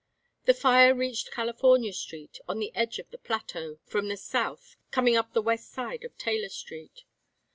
The fire reached California Street, on the edge of the plateau, from the south, coming up the west side of Taylor Street.